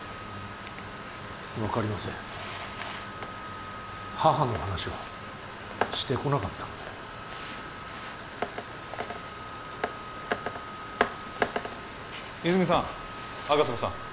分かりません母の話はしてこなかったので泉さん吾妻さん